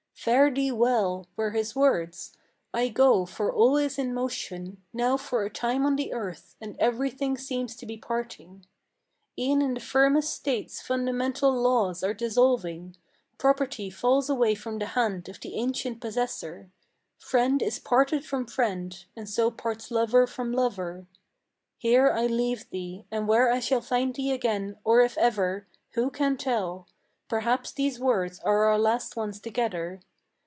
'Fare thee well,' were his words; 'I go, for all is in motion Now for a time on the earth, and every thing seems to be parting. E'en in the firmest states fundamental laws are dissolving; Property falls away from the hand of the ancient possessor; Friend is parted from friend; and so parts lover from lover. Here I leave thee, and where I shall find thee again, or if ever, Who can tell? Perhaps these words are our last ones together.